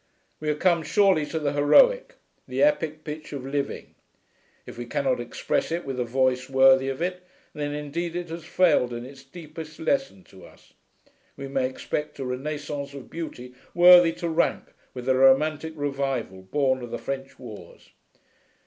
We are come, surely, to the heroic, the epic pitch of living; if we cannot express it with a voice worthy of it, then indeed it has failed in its deepest lesson to us. We may expect a renascence of beauty worthy to rank with the Romantic Revival born of the French wars....'